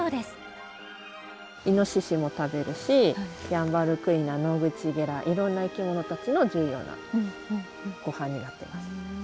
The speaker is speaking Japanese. イノシシも食べるしヤンバルクイナノグチゲラいろんな生き物たちの重要なごはんになってます。